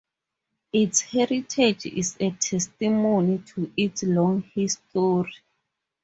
Its heritage is a testimony to its long history.